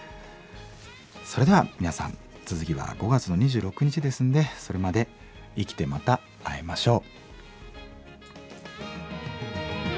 それでは皆さん続きは５月の２６日ですんでそれまで生きてまた会いましょう。